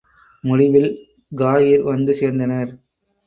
முடிவில் காஹிர் வந்து சேர்ந்தனர்.